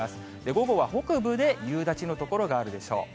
午後は北部で夕立の所があるでしょう。